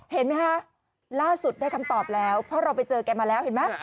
เห็นไหมคะล่าสุดได้คำตอบแล้วเพราะเราไปเจอแกมาแล้วเห็นไหม